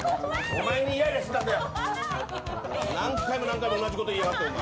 お前にイライラしてたんだよ！